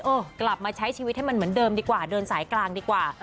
กลับมาใช้ชีวิตให้มันเหมือนเดิมดีกว่าเดินสายกลางดีกว่า